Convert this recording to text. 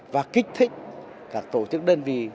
và kích thích các tổ chức đơn vị